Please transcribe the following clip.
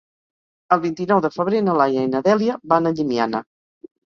El vint-i-nou de febrer na Laia i na Dèlia van a Llimiana.